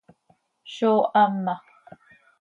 Zóo hama.